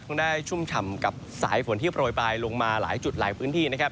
คงได้ชุ่มฉ่ำกับสายฝนที่โปรยปลายลงมาหลายจุดหลายพื้นที่นะครับ